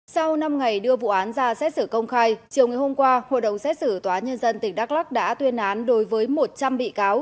sau năm ngày đưa vụ án ra xét xử công khai chiều ngày hôm qua hội đồng xét xử tòa nhân dân tỉnh đắk lắc đã tuyên án đối với một trăm linh bị cáo